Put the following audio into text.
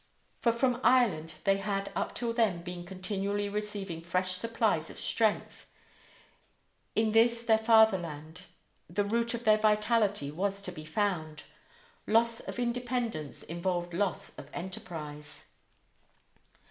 For from Ireland they had up till then been continually receiving fresh supplies of strength. In this their fatherland the root of their vitality was to be found. Loss of independence involved loss of enterprise.